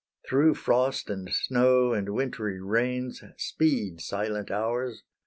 Through frost and snow and wintry rains, Speed, silent hours!